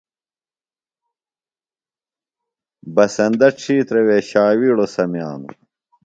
بسندہ ڇِھترہ وے ݜاوِیڑوۡ سمِیانوۡ۔